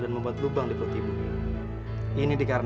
ibu lakukan apa yang kamu inginkan